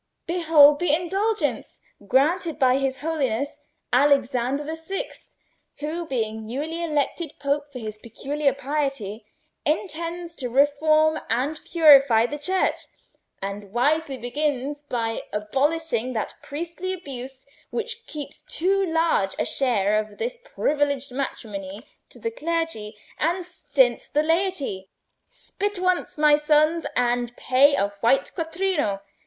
"Behold the indulgence granted by his Holiness Alexander the Sixth, who, being newly elected Pope for his peculiar piety, intends to reform and purify the Church, and wisely begins by abolishing that priestly abuse which keeps too large a share of this privileged matrimony to the clergy and stints the laity. Spit once, my sons, and pay a white quattrino!